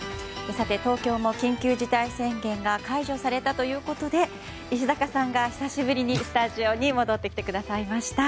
東京の緊急事態宣言が解除されたということで石坂さんが久しぶりにスタジオに戻ってきてくださいました。